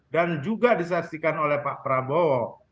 dan juga disaksikan oleh pak prabowo